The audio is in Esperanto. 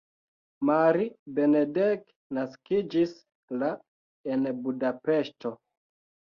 Mari Benedek naskiĝis la en Budapeŝto.